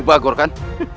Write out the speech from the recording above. baik ke rumah